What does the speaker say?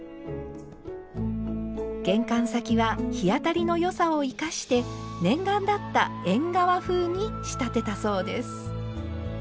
玄関先は日当たりの良さを生かして念願だった縁側風に仕立てたそうです。